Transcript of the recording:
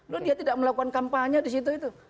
loh dia tidak melakukan kampanye di situ itu